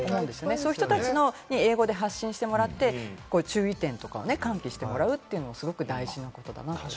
そういう人たちに英語で発信してもらったり、注意点などを喚起してもらうというのもすごく大事なことだなと思います。